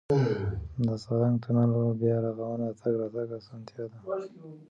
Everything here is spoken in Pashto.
د سالنګ تونل بیا رغونه د تګ راتګ اسانتیا ده.